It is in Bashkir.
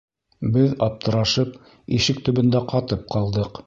Беҙ, аптырашып, ишек төбөндә ҡатып ҡалдыҡ.